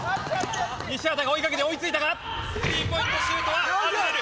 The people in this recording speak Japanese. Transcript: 西畑が追いかけて追いついたがスリーポイントシュートは外れる。